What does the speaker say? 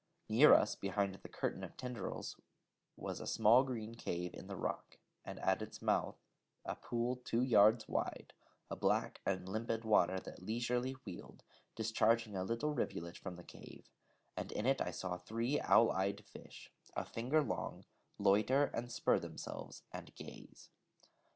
Near us behind the curtain of tendrils was a small green cave in the rock, and at its mouth a pool two yards wide, a black and limpid water that leisurely wheeled, discharging a little rivulet from the cave: and in it I saw three owl eyed fish, a finger long, loiter, and spur themselves, and gaze.